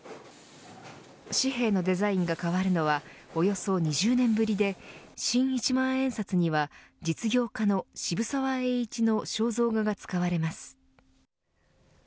紙幣のデザインが変わるのはおよそ２０年ぶりで新１万円札には実業家の渋沢栄一の肖像画が使われます。